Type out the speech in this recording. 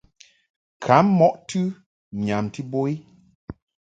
Kam mɔʼ tɨ nyamti bo i.